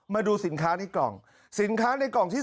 มาดูสินค้าในกล่องสินค้าในกล่องที่